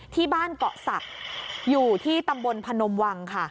ที่บ้านเกาะศักดิ์อยู่ที่ตำบลพนมวังค่ะ